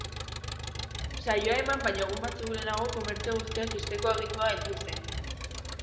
Saioa eman baino egun batzuk lehenago, komertzio guztiak ixteko agindua heldu zen.